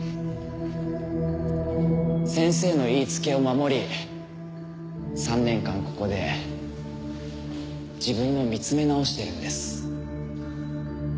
先生の言いつけを守り３年間ここで自分を見つめ直してるんです。